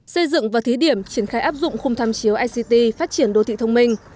xây dựng và thí điểm triển khai áp dụng khung tham chiếu ict phát triển đô thị thông minh